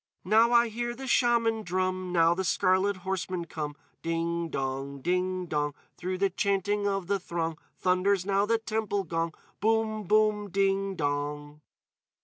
_ Now I hear the Shaman drum; Now the scarlet horsemen come; Ding dong! Ding dong! Through the chanting of the throng Thunders now the temple gong. Boom boom! _Ding dong!